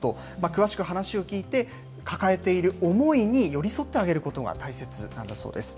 詳しく話を聞いて、抱えている思いに寄り添ってあげることが大切なんだそうです。